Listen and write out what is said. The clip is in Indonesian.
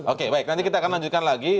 oke baik nanti kita akan lanjutkan lagi